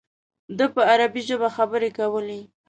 ده په عربي ژبه خبرې کولې.